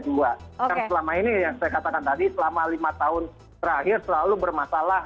karena selama ini yang saya katakan tadi selama lima tahun terakhir selalu bermasalah